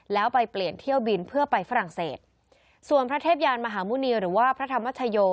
แล้วไปเปลี่ยนเที่ยวบินเพื่อไปฝรั่งเศสส่วนพระเทพยานมหาหมุณีหรือว่าพระธรรมชโย